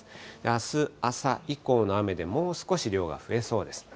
あす朝以降の雨で、もう少し量が増えそうです。